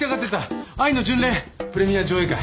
プレミア上映会。